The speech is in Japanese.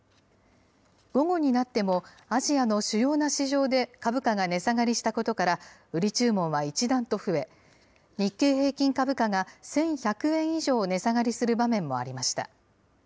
午後になっても、アジアの主要な市場で株価が値下がりしたことから、売り注文は一段と増え、日経平均株価が１１００円以上、値下がりする場面もありました。